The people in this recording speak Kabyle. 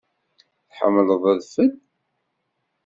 Tḥemmleḍ adfel?